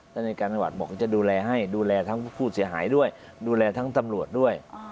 ท่านเนยการณวัตรบอกว่าจะดูแลให้ดูแลทั้งผู้ผู้เสียหายด้วยดูแลทั้งตำรวจด้วย